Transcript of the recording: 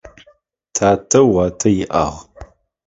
Татэ уатэ иӏагъ.